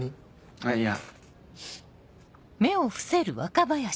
あっいや。